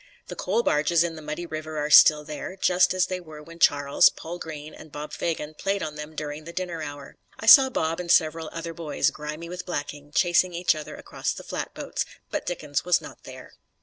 The coal barges in the muddy river are still there, just as they were when Charles, Poll Green and Bob Fagin played on them during the dinner hour. I saw Bob and several other boys, grimy with blacking, chasing each other across the flatboats, but Dickens was not there.